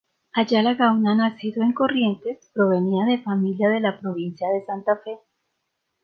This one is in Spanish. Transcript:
Ayala Gauna, nacido en Corrientes, provenía de familia de la provincia de Santa Fe.